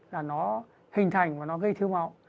là nó hình thành và nó gây thiếu máu